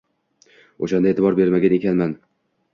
O`shanda e`tibor bermagan ekanman